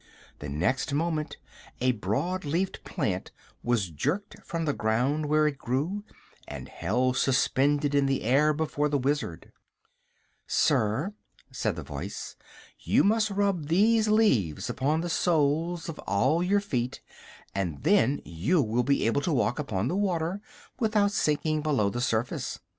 The next moment a broad leaved plant was jerked from the ground where it grew and held suspended in the air before the Wizard. [Illustration: ESCAPING THE INVISIBLE BEARS.] "Sir," said the voice, "you must rub these leaves upon the soles of all your feet, and then you will be able to walk upon the water without sinking below the surface.